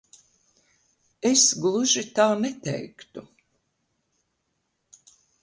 Es gluži tā neteiktu.